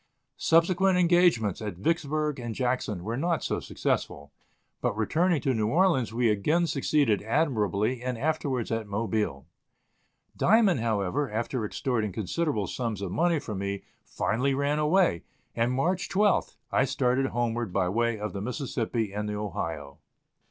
Subsequent engagements at Vicksburg and Jackson were not so successful, but returning to New Orleans we again succeeded admirably and afterwards at Mobile. Diamond, however, after extorting considerable sums of money from me, finally ran away, and, March 12th, I started homeward by way of the Mississippi and the Ohio.